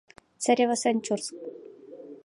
Царевосанчурск.